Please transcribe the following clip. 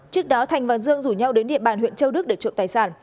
trước đó thành và dương rủ nhau đến địa bàn huyện châu đức để trộm tài sản